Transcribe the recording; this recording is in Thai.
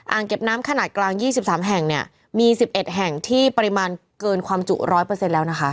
อ่างเก็บน้ำขนาดกลางยี่สิบสามแห่งเนี้ยมีสิบเอ็ดแห่งที่ปริมาณเกินความจุร้อยเปอร์เซ็นต์แล้วนะคะ